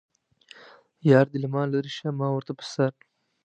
یار دې له ما لرې شه ما ورته په سر.